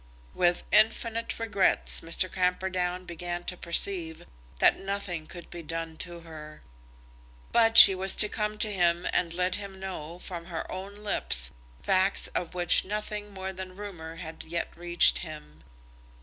With infinite regrets, Mr. Camperdown began to perceive that nothing could be done to her. But she was to come to him and let him know, from her own lips, facts of which nothing more than rumour had yet reached him.